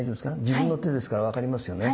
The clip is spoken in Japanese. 自分の手ですから分かりますよね。